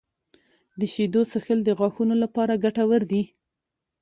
• د شیدو څښل د غاښونو لپاره ګټور دي.